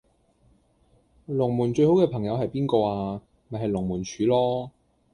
龍門最好既朋友係邊個呀？咪係龍門柱囉